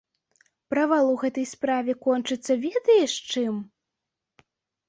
Правал у гэтай справе кончыцца ведаеш чым?